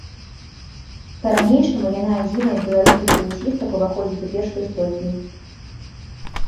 Па-ранейшаму яна адзіная з беларускіх тэнісістак уваходзіць у першую сотню.